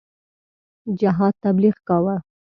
جهاد تبلیغ کاوه.